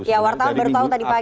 oke wartawan baru tahu tadi pagi